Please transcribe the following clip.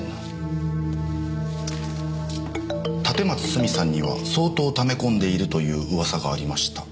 「立松スミさんには相当貯め込んでいるという噂がありました」